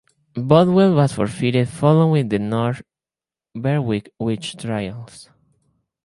Bothwell was forfeited following the North Berwick Witch Trials.